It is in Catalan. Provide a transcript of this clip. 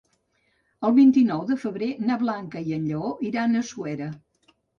El vint-i-nou de febrer na Blanca i en Lleó iran a Suera.